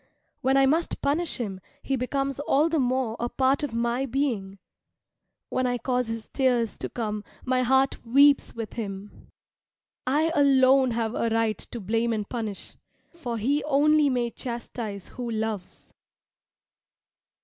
When I must punish him he becomes all the more a part of my being. When I cause his tears to come my heart weeps with him. I alone have a right to blame and punish, for he only may chastise who loves.